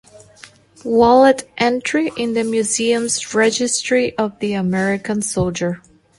Wallet entry in the Museum's Registry of the American Soldier.